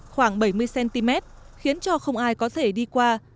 khoảng bảy mươi cm khiến cho không ai có thể đi qua